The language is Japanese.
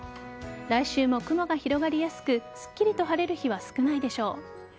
来週も雲が広がりやすくすっきりと晴れる日は少ないでしょう。